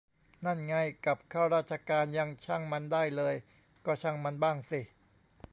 นั่นไง กับข้าราชการยังช่างมันได้เลย ก็ช่างมันบ้างสิ